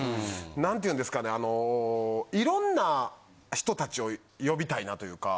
何て言うんですかねあの色んな人たちをよびたいなというか。